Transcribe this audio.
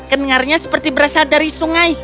kedengarnya seperti berasal dari sungai